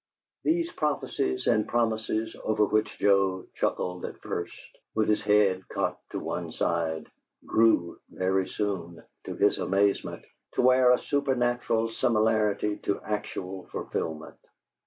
These prophecies and promises, over which Joe chuckled at first, with his head cocked to one side, grew very soon, to his amazement, to wear a supernatural similarity to actual fulfilment.